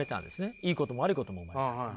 いいことも悪いことも生まれた。